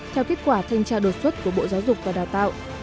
theo kết quả thanh tra đột xuất của bộ giáo dục và đào tạo